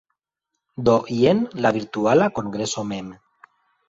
Do jen la Virtuala Kongreso mem.